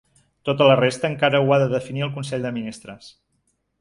Tota la resta encara ho ha de definir el consell de ministres.